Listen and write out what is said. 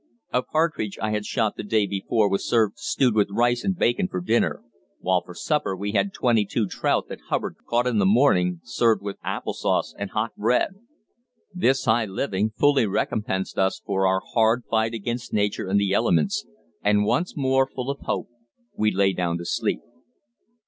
A partridge I had shot the day before was served stewed with rice and bacon for dinner, while for supper we had twenty two trout that Hubbard caught in the morning, served with apple sauce and hot bread. This high living fully recompensed us for our hard fight against nature and the elements, and once more full of hope we lay down to sleep.